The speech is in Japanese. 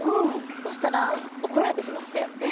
そうしたら、怒られてしまって。